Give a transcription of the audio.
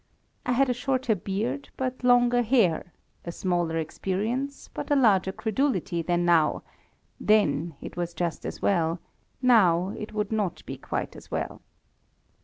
I had a shorter beard, but longer hair, a smaller experience but a larger credulity than now, then it was just as well, now it would not be quite as well.